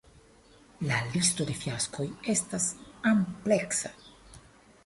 La listo de fiaskoj estas ampleksa.